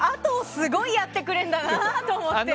すごいやってくれるんだなって。